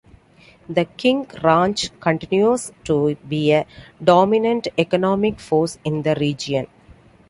The King Ranch continues to be a dominant economic force in the region.